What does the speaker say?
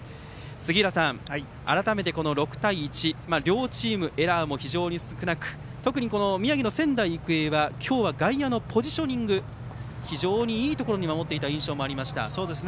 杉浦さん、改めて６対１両チーム、エラーも非常に少なく特に宮城の仙台育英は今日は外野のポジショニング非常にいいところに守っていた印象もありました。